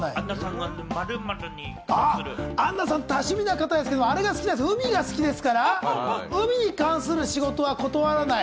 アンナさん、多趣味な方ですけど、海が好きですから、海に関する仕事は断らない！